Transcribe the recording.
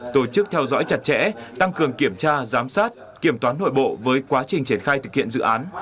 tổ chức theo dõi chặt chẽ tăng cường kiểm tra giám sát kiểm toán nội bộ với quá trình triển khai thực hiện dự án